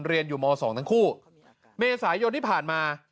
เรียนอยู่ม๒ทั้งคู่เมษายนที่ผ่านมา